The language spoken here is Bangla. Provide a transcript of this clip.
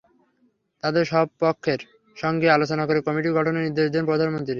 তাঁদের সব পক্ষের সঙ্গে আলোচনা করে কমিটি গঠনের নির্দেশ দেন প্রধানমন্ত্রী।